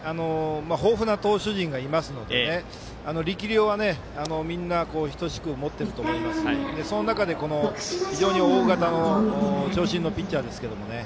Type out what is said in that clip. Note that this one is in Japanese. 豊富な投手陣がいますので力量はみんな等しく持っていますのでその中で、非常に大型の長身のピッチャーですけどね。